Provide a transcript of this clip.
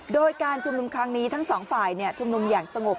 โดยการชุมนุมครั้งนี้ทั้งสองฝ่ายชุมนุมอย่างสงบ